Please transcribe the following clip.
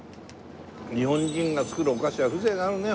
日本人が作るお菓子は風情があるね